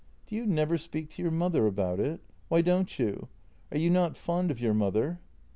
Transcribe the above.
" Do you never speak to your mother about it? Why don't you? Are you not fond of your mother?